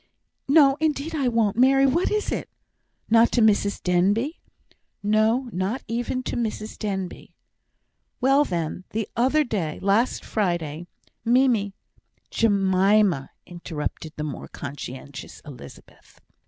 "No, indeed I won't, Mary. What is it?" "Not to Mrs Denbigh?" "No, not even to Mrs Denbigh." "Well, then, the other day last Friday, Mimie " "Jemima!" interrupted the more conscientious Elizabeth.